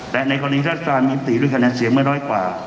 แต่ในกรณีรัฐบาลมีมติด้วยคะแนนเสียงไม่น้อยกว่า